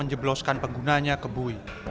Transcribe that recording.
menjebloskan penggunanya ke bui